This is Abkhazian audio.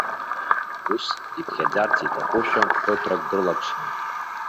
Ус, иԥхьаӡарц иҭахушәа, ԥыҭрак дрылаԥшуан.